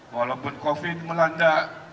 walaupun covid melanda